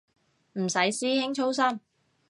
唔使師兄操心